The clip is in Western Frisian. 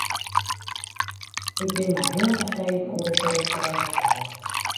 Ik bin mar heal tefreden oer it berikte resultaat.